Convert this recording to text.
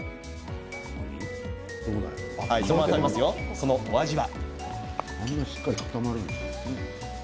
そのお味は。